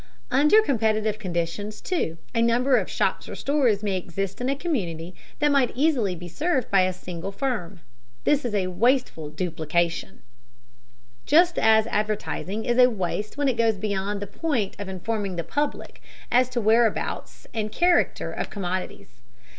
Under competitive conditions, too, a number of shops or stores may exist in a community that might easily be served by a single firm. This is wasteful duplication, just as advertising is a waste when it goes beyond the point of informing the public as to whereabouts and character of commodities.